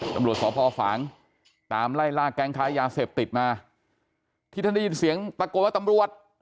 ตำรวจสพฝางตามไล่ล่าแก๊งค้ายาเสพติดมาที่ท่านได้ยินเสียงตะโกนว่าตำรวจ